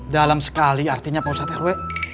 dalam sekali artinya pak ustadz rw